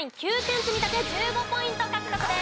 積み立て１５ポイント獲得です。